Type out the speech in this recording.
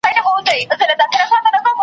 نور به یې نه کوې پوښتنه چي د چا کلی دی .